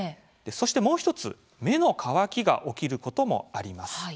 そして、もう１つ目の乾きが起きることもあります。